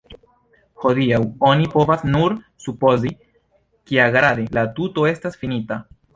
Hodiaŭ oni povas nur supozi, kiagrade la tuto estas finita.